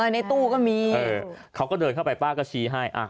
ในตู้ก็มีเขาก็เดินเข้าไปป้าก็ชี้ให้